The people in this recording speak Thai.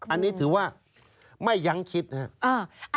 อันนี้ถือว่าไม่ยั้งคิดนะครับ